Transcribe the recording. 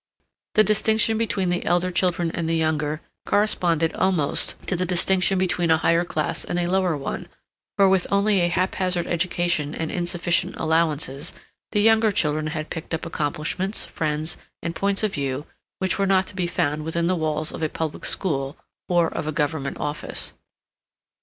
The distinction between the elder children and the younger corresponded almost to the distinction between a higher class and a lower one, for with only a haphazard education and insufficient allowances, the younger children had picked up accomplishments, friends, and points of view which were not to be found within the walls of a public school or of a Government office.